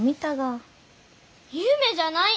夢じゃない！